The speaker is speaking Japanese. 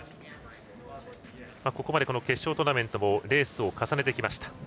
ここまで決勝トーナメントもレースを重ねてきました。